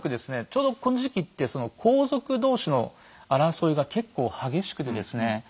ちょうどこの時期って皇族同士の争いが結構激しくてですね